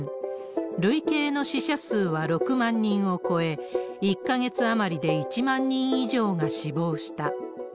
累計の死者数は６万人を超え、１か月余りで１万人以上が死亡した。